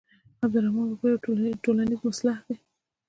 عبدالرحمان بابا یو ټولنیز مصلح دی.